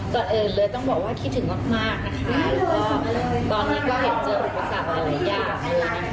ตอนเองเลยต้องบอกว่าคิดถึงมากมากนะคะเพราะตอนนี้ก็เห็นเจออุปสรรคหลายหลายอย่างเลยนะคะ